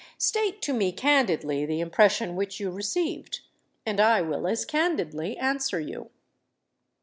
"State to me candidly the impression which you received; and I will as candidly answer you."